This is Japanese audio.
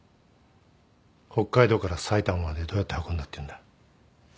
北海道から埼玉までどうやって運んだっていうんだ。